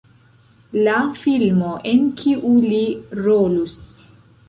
la filmo en kiu li rolus